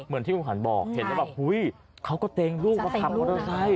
เหมือนที่คุณขันบอกเห็นแล้วแบบเฮ้ยเขาก็เตรงลูกก็ทำก็ได้